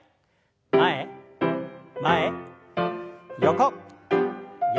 前前横横。